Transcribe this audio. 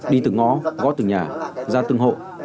đi từ ngõ gót từ nhà ra từng hộ